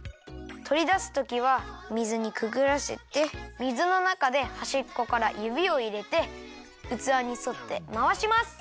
とりだすときは水にくぐらせて水のなかではしっこからゆびをいれてうつわにそってまわします。